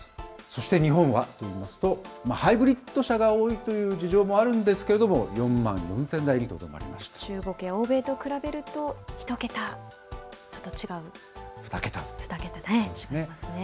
そして日本はといいますと、ハイブリッド車が多いという事情もあるんですけれども、４万４０００中国や欧米と比べると１桁、２桁違いますね。